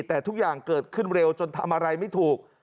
แต่ทุกอย่างเกิดขึ้นเร็วจนทำอะไรไม่ถูก